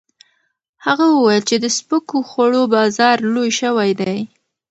هغه وویل چې د سپکو خوړو بازار لوی شوی دی.